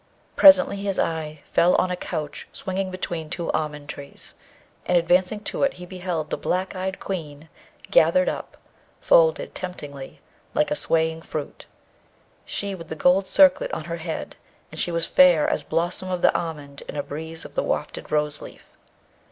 Presently, his eye fell on a couch swinging between two almond trees, and advancing to it he beheld the black eyed Queen gathered up, folded temptingly, like a swaying fruit; she with the gold circlet on her head, and she was fair as blossom of the almond in a breeze of the wafted rose leaf.